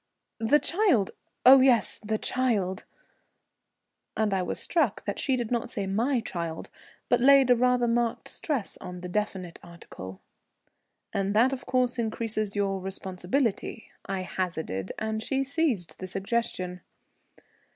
"The child! Oh, yes, the child," and I was struck that she did not say "my" child, but laid rather a marked stress on the definite article. "That of course increases your responsibility," I hazarded, and she seized the suggestion.